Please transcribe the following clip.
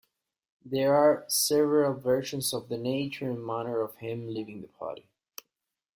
There are several versions of the nature and manner of him leaving the party.